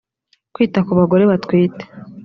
kwita ku bagore batwite